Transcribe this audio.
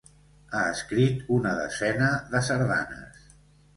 Ha escrit una desena de sardanes.